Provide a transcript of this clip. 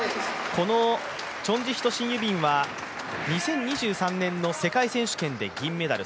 このチョン・ジヒとシン・ユビンは２０２３年の世界選手権で銀メダル。